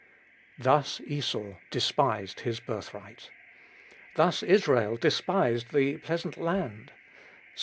"Thus Esau despised his birthright." Thus Israel despised the pleasant land; (Ps.